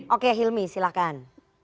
oke hilmi silakan